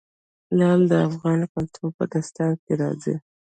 لعل د افغان کلتور په داستانونو کې راځي.